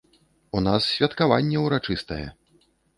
У нас святкаванне урачыстае.